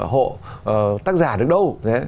hộ tác giả được đâu